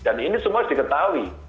dan ini semua harus diketahui